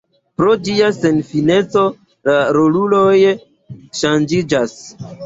Pro ĝia senfineco la roluloj ŝanĝiĝas.